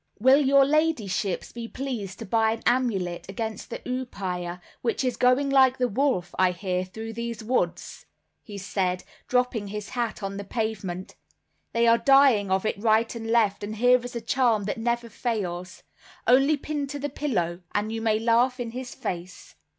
"Will your ladyships be pleased to buy an amulet against the oupire, which is going like the wolf, I hear, through these woods," he said dropping his hat on the pavement. "They are dying of it right and left and here is a charm that never fails; only pinned to the pillow, and you may laugh in his face."